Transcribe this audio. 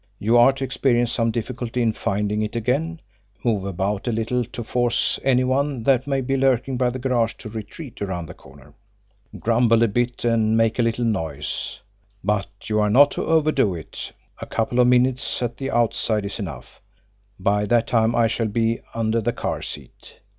You are to experience some difficulty in finding it again, move about a little to force any one that may be lurking by the garage to retreat around the corner. Grumble a bit and make a little noise; but you are not to overdo it a couple of minutes at the outside is enough, by that time I shall be under the car seat.